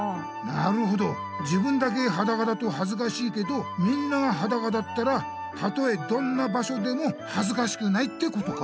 なるほど自分だけはだかだとはずかしいけどみんながはだかだったらたとえどんな場所でもはずかしくないってことか。